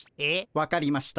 分かりました。